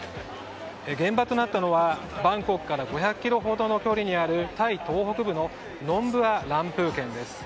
現場となったのはバンコクから５００ｋｍほどの距離にあるタイ東北部のノンブアランプー県です。